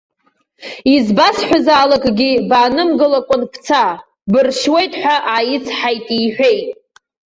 Избасҳәазаалакгьы баанымгылакәан бца, быршьуеит ҳәа ааицҳаит иҳәеит.